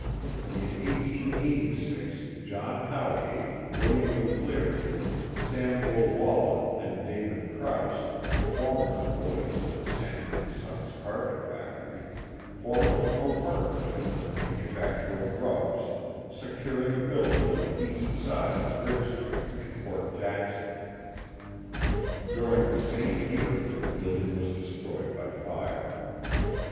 In 1886. John Howgate, William McCleary, Samuel Wal lin and David Crouse, former employees in the Sanford & Sons* carpet factory, formed a copartnership for the manufac ture of rugs, securing a building on the east side of Bridge Street in Port Jackson, During the same year the building was destroyed by fire.